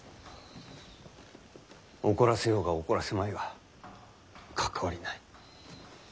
怒らせようが怒らせまいが関わりない。